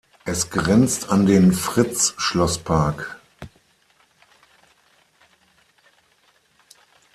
Es grenzt an den Fritz-Schloß-Park.